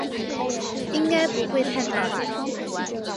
应该不会太难